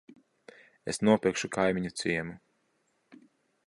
Es nopirkšu kaimiņu ciemu.